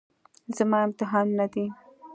زما امتحانونه دي.